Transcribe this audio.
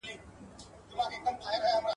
نا خبره د انسان له چل او دامه !.